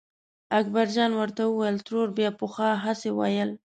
اکبرجان ورته وویل ترور بیا پخوا هسې ویل.